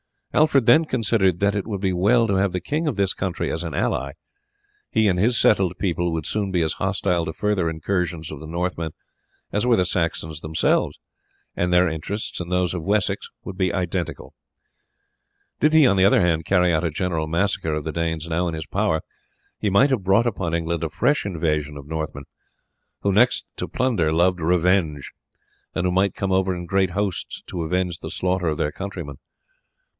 Alfred then considered that it would be well to have the king of this country as an ally; he and his settled people would soon be as hostile to further incursions of the Northmen as were the Saxons themselves, and their interests and those of Wessex would be identical. Did he, on the other hand, carry out a general massacre of the Danes now in his power he might have brought upon England a fresh invasion of Northmen, who, next to plunder, loved revenge, and who might come over in great hosts to avenge the slaughter of their countrymen.